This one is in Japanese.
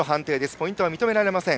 ポイントは認められません。